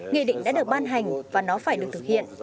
nghị định đã được ban hành và nó phải được thực hiện